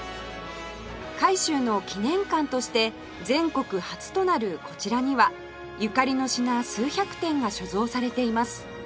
海舟の記念館として全国初となるこちらにはゆかりの品数百点が所蔵されています